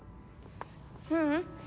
ううん。